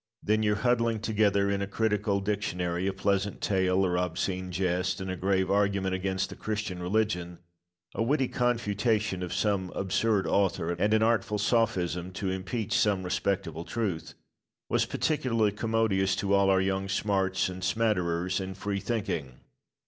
Then your huddling together in a critical dictionary a pleasant tale, or obscene jest, and a grave argument against the Christian religion, a witty confutation of some absurd author, and an artful sophism to impeach some respectable truth, was particularly commodious to all our young smarts and smatterers in freethinking.